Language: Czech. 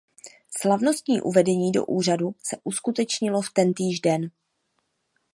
Slavnostní uvedení do úřadu se uskutečnilo v tentýž den.